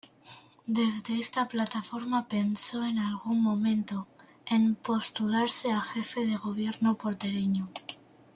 Desde esta plataforma pensó en algún momento en postularse a jefe de gobierno porteño.